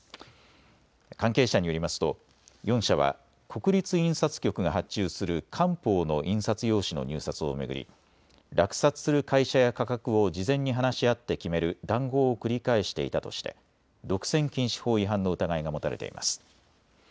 関係者によりますと４社は国立印刷局が発注する官報の印刷用紙の入札を巡り落札する会社や価格を事前に話し合って決める談合を繰り返していたとして独占禁止法違反の疑いが持たれています。